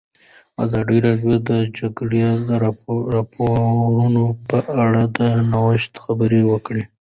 ازادي راډیو د د جګړې راپورونه په اړه د نوښتونو خبر ورکړی.